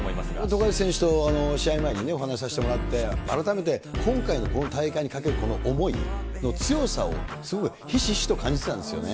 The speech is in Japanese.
富樫選手と試合前にお話させてもらって、改めて今回のこの大会にかけるこの思いの強さをすごくひしひしと感じてたんですよね。